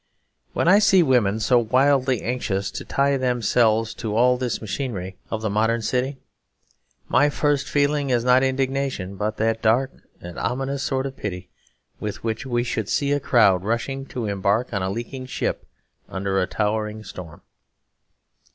When I see women so wildly anxious to tie themselves to all this machinery of the modern city my first feeling is not indignation, but that dark and ominous sort of pity with which we should see a crowd rushing to embark in a leaking ship under a lowering storm.